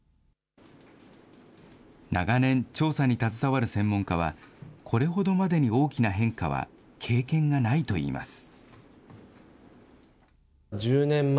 長年、調査に携わる専門家は、これほどまでに大きな変化は経験がないといいます。